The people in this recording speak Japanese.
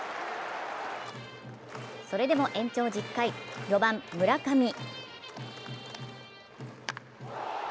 それでも延長１０回、４番・村上。